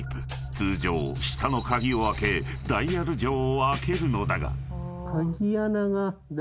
［通常下の鍵を開けダイヤル錠を開けるのだが］